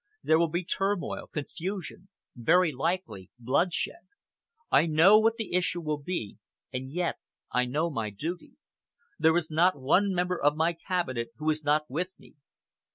There will be turmoil, confusion, very likely bloodshed. I know what the issue will be, and yet I know my duty. There is not one member of my Cabinet who is not with me.